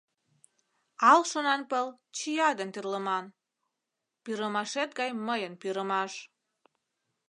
Ал шонанпыл чия ден тӱрлыман, Пӱрымашет гай мыйын пӱрымаш.